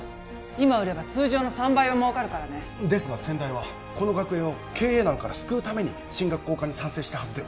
今売れば通常の３倍は儲かるからねですが先代はこの学園を経営難から救うために進学校化に賛成したはずでは？